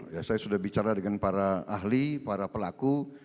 saya sudah bicara dengan para ahli para pelaku para pengusaha